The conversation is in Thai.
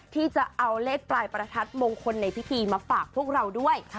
ที่จะเอาเลขปลายประทัดมงคลในพิธีมาฝากพวกเราด้วย